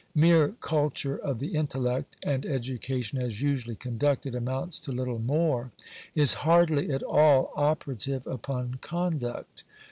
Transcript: Mere cul ture of the intellect (and education as usually conducted amounts to little more) is hardly at all operative upon con duct.